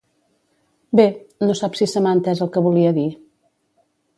Bé, no sap si se m'ha entès el que volia dir.